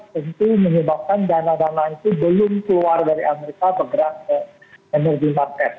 tentu menyebabkan dana dana itu belum keluar dari amerika bergerak ke energi market